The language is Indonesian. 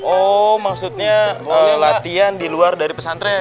oh maksudnya latihan di luar dari pesantren